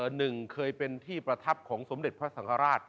หนึ่งเคยเป็นที่ประทับของสมเด็จพระสังฆราช